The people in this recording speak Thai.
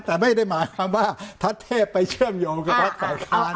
แต่ไม่ได้หมายความว่าทัศเทพไปเชื่อมโยงกับพักฝ่ายค้าน